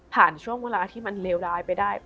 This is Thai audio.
ช่วงเวลาที่มันเลวร้ายไปได้